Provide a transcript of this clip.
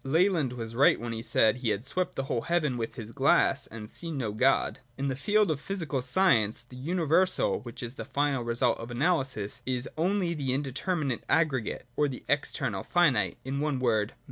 Lalande was right when he said he had swept the whole heaven with his glass, and seen no God. (See note to § 60.) In the field of physical science, the universal, which is the final result of analysis, is only the indeterminate aggregate, — of the external finite, — in one word.